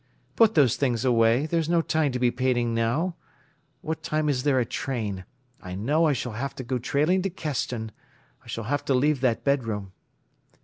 Put those things away, there's no time to be painting now. What time is there a train? I know I s'll have to go trailing to Keston. I s'll have to leave that bedroom."